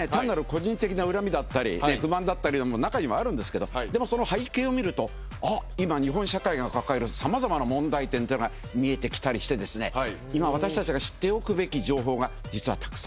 個人的な恨みだったり不満だったり中にはあるんですけどでもその背景を見ると今日本社会が抱える様々な問題点が見えてきたりして今私たちが知っておくべき情報が実はたくさんあるんですよ。